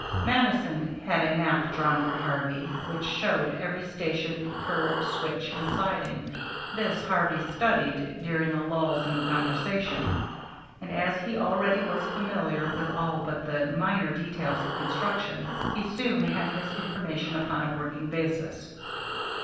Mattison had a map drawn for Harvey, which showed every station, curve, switch, and siding; this Harvey studied during the lulls in the conversation, and as he already was familiar with all but the minor details of construction, he soon had his information upon a working basis.